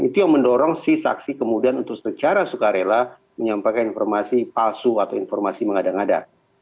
itu yang mendorong si saksi kemudian untuk secara sukarela menyampaikan informasi palsu atau informasi mengada ngada